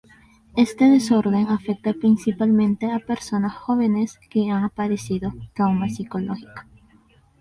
Este desorden afecta principalmente a personas jóvenes que han padecido trauma psicológico.